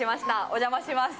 お邪魔します。